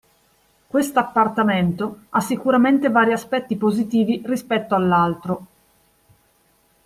Quest'appartamento ha sicuramente vari aspetti positivi rispetto all'altro